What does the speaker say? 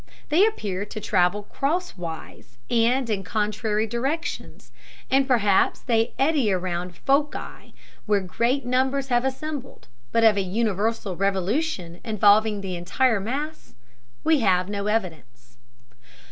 They appear to travel crosswise and in contrary directions, and perhaps they eddy around foci where great numbers have assembled; but of a universal revolution involving the entire mass we have no evidence.